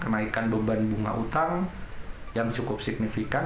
kenaikan beban bunga utang yang cukup signifikan